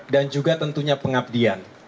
dan juga tentunya pengabdikan